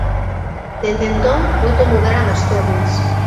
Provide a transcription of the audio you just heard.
Dende entón, moito mudaran as tornas.